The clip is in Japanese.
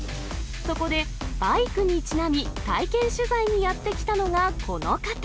そこでバイクにちなみ、体験取材にやって来たのが、この方。